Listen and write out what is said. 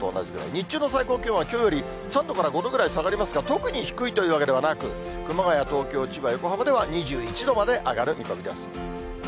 日中の最高気温は、きょうより３度から５度ぐらい下がりますが、特に低いというわけではなく、熊谷、東京、千葉、横浜では、２１度まで上がる見込みです。